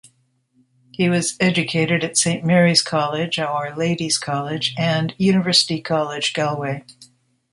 He was educated at Saint Mary's College, Our Lady's College and University College Galway.